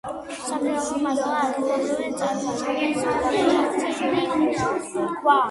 სამშენებლო მასალა ადგილობრივი წარმოშობის ფლეთილი ქვაა.